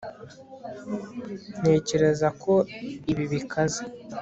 ntekereza ko ibi bikaze